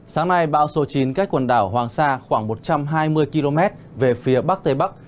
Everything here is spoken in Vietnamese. sáng nay bão số chín cách quần đảo hoàng sa khoảng một trăm hai mươi km về phía bắc tây bắc